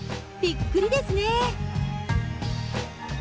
びっくりですね。